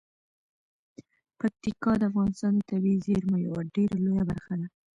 پکتیکا د افغانستان د طبیعي زیرمو یوه ډیره لویه برخه ده.